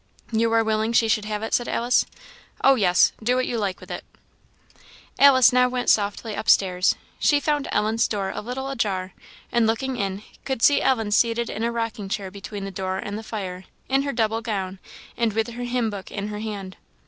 "You are willing she should have it?" said Alice. "Oh, yes! do what you like with it." Alice now went softly up stairs. She found Ellen's door a little ajar, and looking in, could see Ellen seated in a rocking chair between the door and the fire, in her double gown, and with her hymn book in her hand.